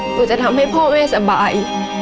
จะทำให้พ่อแม่สบาย